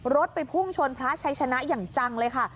รถไปพุ่งชนพระชัยชนะอย่างจังเลยค่ะ